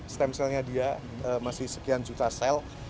stem cellnya dia masih sekian juta sel